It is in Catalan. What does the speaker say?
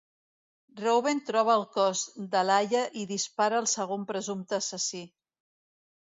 Reuben troba el cos de l'Alla i dispara el segon presumpte assassí.